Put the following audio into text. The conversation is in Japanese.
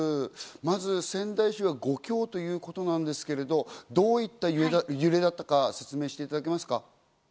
まず仙台市は５強ということなんですけど、どういった揺れだったか説明していただけますか？